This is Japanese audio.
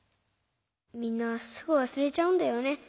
みんなすぐわすれちゃうんだよね。